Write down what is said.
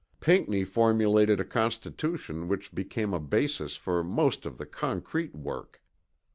Pinckney formulated a constitution which became a basis for the most of the concrete work.